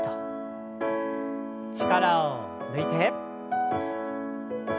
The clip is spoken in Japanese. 力を抜いて。